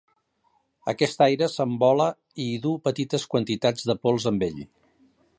Aquest aire s'envola i duu petites quantitats de pols amb ell.